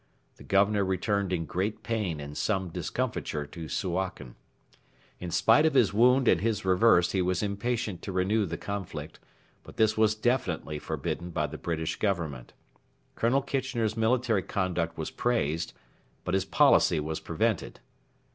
The Governor returned in great pain and some discomfiture to Suakin. In spite of his wound and his reverse he was impatient to renew the conflict, but this was definitely forbidden by the British Government. Colonel Kitchener's military conduct was praised, but his policy was prevented.